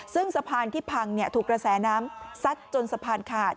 ซึ่งสะพานที่พังถูกกระแสน้ำซัดจนสะพานขาด